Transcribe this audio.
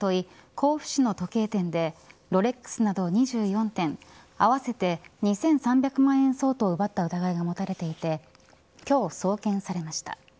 甲府市の時計店でロレックスなど２４点合わせて２３００万円相当を奪った疑いが持たれていて今日送検されました。